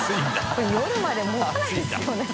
これ夜までもたないですよ△△